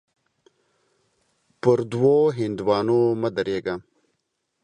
پر دوو هندوانو مه درېږه.